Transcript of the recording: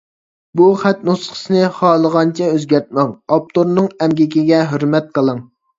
بۇ خەت نۇسخىسىنى خالىغانچە ئۆزگەرتمەڭ، ئاپتورنىڭ ئەمگىكىگە ھۆرمەت قىلىڭ.